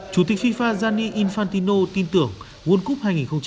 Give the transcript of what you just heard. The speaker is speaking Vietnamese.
chủ tịch fifa gianni infantino tin tưởng world cup hai nghìn hai mươi hai